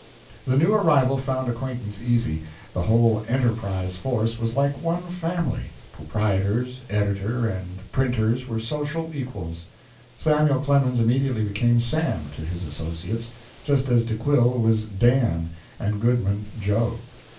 The new arrival found acquaintance easy. The whole "Enterprise" force was like one family; proprietors, editor, and printers were social equals. Samuel Clemens immediately became "Sam" to his associates, just as De Quille was "Dan," and Goodman "Joe."